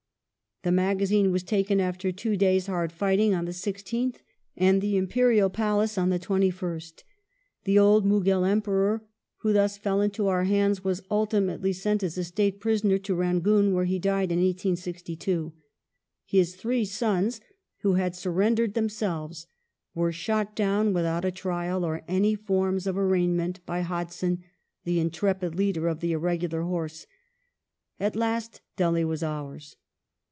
The magazine was taken after two days' hard fighting on the 16th and the imperial palace on the 21st. The old Mughal Emperor who thus fell into our hands was ultimately sent as a State prisoner to Rangoon where he died in 1862. His three sons, who had sur rendered themselves, were shot down without a trial or any forms of arraignment by Hodson, the intrepid leader of the irregular hoi se. At last Delhi was ours.